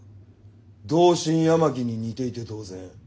同心八巻に似ていて当然。